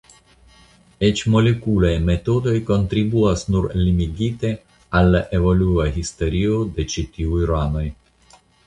Eĉ molekulaj metodoj kontribuas nur limigite al la evolua historio de ĉi tiuj ranoj.